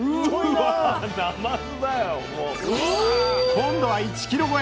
今度は１ｋｇ超え。